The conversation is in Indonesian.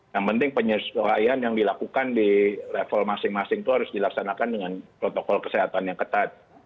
yang penting penyesuaian yang dilakukan di level masing masing itu harus dilaksanakan dengan protokol kesehatan yang ketat